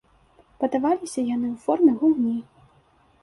Падаваліся яны ў форме гульні.